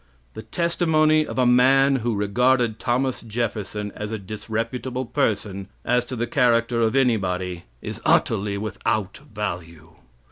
The testimony of a man who regarded Thomas Jefferson as a disreputable person, as to the character of anybody, is utterly without value.